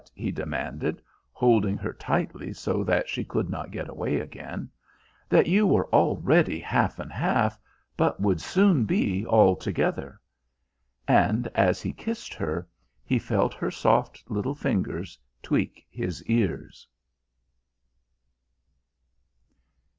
he demanded, holding her tightly so that she could not get away again. "That you were already half and half, but would soon be altogether." And, as he kissed her, he felt her soft little fingers tweak his ears.